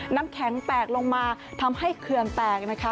น้ำแข็งแตกลงมาทำให้เขื่อนแตกนะคะ